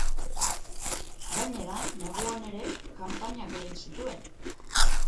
Gainera, neguan ere kanpainak egin zituen.